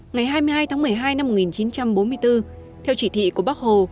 ngày hai mươi hai tháng một mươi hai năm một nghìn chín trăm bốn mươi bốn theo chỉ thị của bác hồ